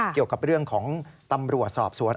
เกี่ยวกับเรื่องของตำรวจสอบสวน